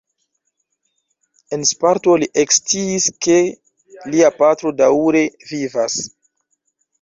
En Sparto li eksciis ke lia patro daŭre vivas.